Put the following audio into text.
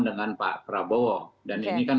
dengan pak prabowo dan ini kan